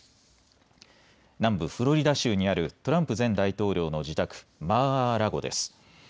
南部フロリダ州にあるトランプ前大統領の自宅、マー・アー・ラゴです。